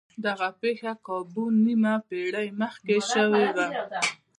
دغه پېښه کابو نيمه پېړۍ مخکې شوې وه.